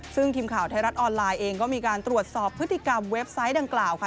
ซึ่งทีมข่าวไทยรัฐออนไลน์เองก็มีการตรวจสอบพฤติกรรมเว็บไซต์ดังกล่าวค่ะ